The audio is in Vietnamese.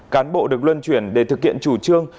cán bộ được luân chuyển để thực hiện chủ trương